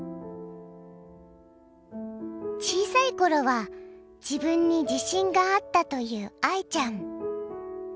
小さい頃は自分に自信があったという愛ちゃん。